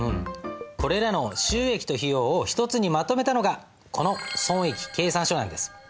これらの収益と費用を１つにまとめたのがこの損益計算書なんです。